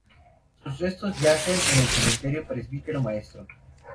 Sus restos yacen en el Cementerio Presbítero Maestro.